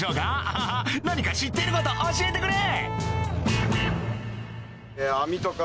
アハハ何か知っていること教えてくれ！